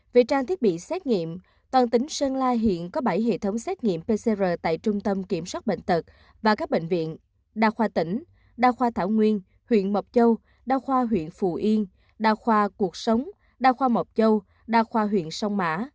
về trang thiết bị xét nghiệm toàn tỉnh sơn la hiện có bảy hệ thống xét nghiệm pcr tại trung tâm kiểm soát bệnh tật và các bệnh viện đa khoa tỉnh đa khoa thảo nguyên huyện mộc châu đa khoa huyện phù yên đa khoa cuộc sống đa khoa mộc châu đa khoa huyện sông mã